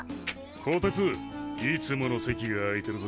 こてついつもの席が空いてるぜ。